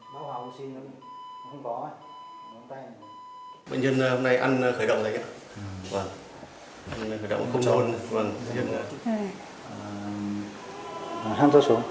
bệnh nhân hôm nay ăn khởi động đấy nhé